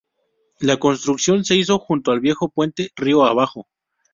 La construcción se hizo junto al viejo puente, río abajo.